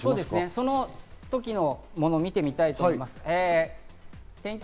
その時のものを見てみたいと思います。